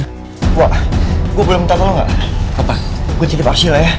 wah gue boleh minta tolong gak apa gue cari arsila ya